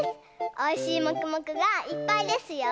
おいしいもくもくがいっぱいですよ。